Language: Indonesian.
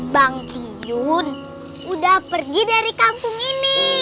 bang piyun udah pergi dari kampung ini